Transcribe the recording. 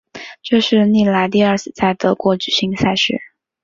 这是历来第二次在德国举行赛事。